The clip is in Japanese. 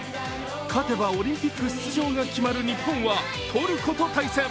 勝てばオリンピック出場が決まる日本はトルコと対戦。